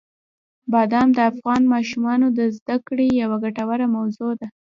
بادام د افغان ماشومانو د زده کړې یوه ګټوره موضوع ده.